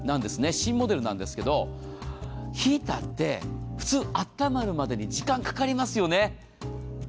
新モデルなんですけどヒーターって、普通暖まるまでに時間かかりますよね。